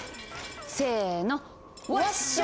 せの。